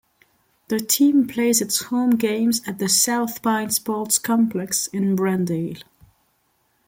The team plays its home games at the South Pine Sports Complex in Brendale.